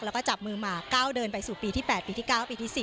แล้วก็จับมือหมากก้าวเดินไปสู่ปีที่๘ปีที่๙ปีที่๔